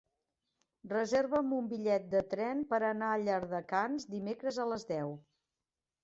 Reserva'm un bitllet de tren per anar a Llardecans dimecres a les deu.